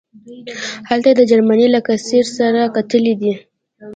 هلته یې د جرمني له قیصر سره کتلي دي.